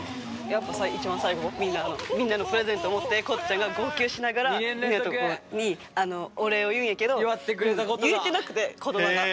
やっぱさ一番最後みんなのプレゼントを持ってこっちゃんが号泣しながらみんなのところにお礼を言うんやけど言えてなくて言葉が。